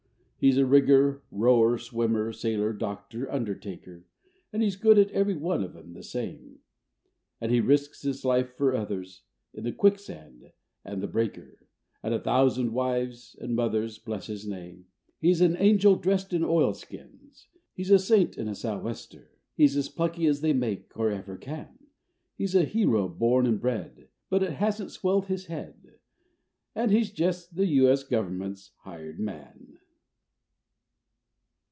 He is rigger, rower, swimmer, sailor, doctor, undertaker, And he's good at every one of 'em the same: And he risks his life fer others in the quicksand and the breaker, And a thousand wives and mothers bless his name. He's an angel dressed in oilskins, he's a saint in a "sou'wester", He's as plucky as they make, or ever can; He's a hero born and bred, but it hasn't swelled his head, And he's jest the U.S. Gov'ment's hired man.